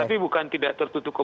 tapi bukan tidak tertutup